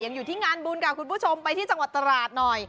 อยู่ที่งานบุญค่ะคุณผู้ชมไปที่จังหวัดตราดหน่อย